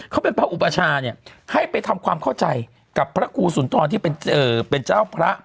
เขาเป็นพระอุปชาเนี่ยให้ไปทำความเข้าใจกับพระครูสุนทรที่เป็นเจ้าพระ